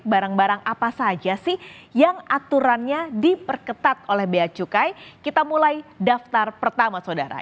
barang barang apa saja sih yang aturannya diperketat oleh bea cukai kita mulai daftar pertama saudara